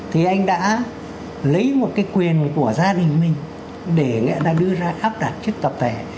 thì anh đã lấy một cái quyền của gia đình mình để nghĩa là đưa ra áp đặt trước tập thể